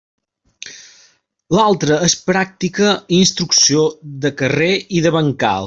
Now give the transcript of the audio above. L'altre és pràctica i instrucció de carrer i de bancal.